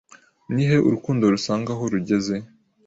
ni he Urukundo rusanga aho rugeze